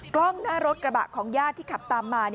กล้องหน้ารถกระบะของญาติที่ขับตามมา